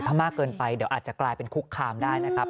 ถ้ามากเกินไปเดี๋ยวอาจจะกลายเป็นคุกคามได้นะครับ